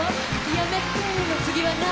「やめて」の次は何？